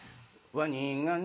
ワニがね